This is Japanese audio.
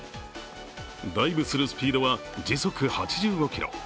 ダイブするスピードは時速８５キロ。